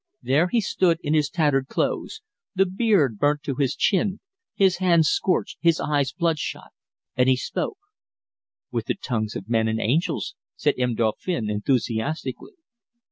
"There he stood in his tattered clothes, the beard burnt to his chin, his hands scorched, his eyes bloodshot, and he spoke " "'With the tongues of men and of angels,'" said M. Dauphin enthusiastically.